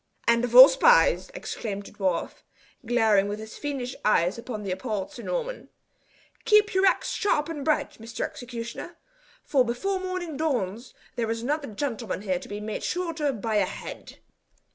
"And of all spies!" exclaimed the dwarf, glaring with his fiendish eyes upon the appalled Sir Norman. "Keep your axe sharp and bright, Mr. Executioner, for before morning dawns there is another gentleman here to be made shorter by a head."